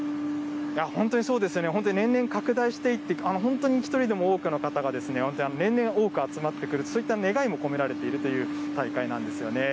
本当にそうですよね、本当に年々拡大していって、本当に一人でも多くの方が年々多く集まってくる、そういった願いも込められているという大会なんですよね。